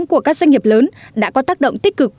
của các doanh nghiệp lớn đã có tác động tích cực